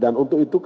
dan untuk itu kpk